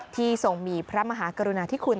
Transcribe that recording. ที่ส่งมีพระมหากรุณาที่คุณ